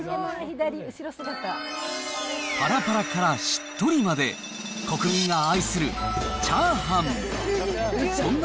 ぱらぱらからしっとりまで、国民が愛するチャーハン。